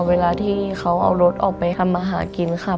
เวลาที่เขาเอารถออกไปทำมาหากินค่ะ